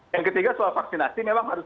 yang ketiga soal vaksinasi memang harus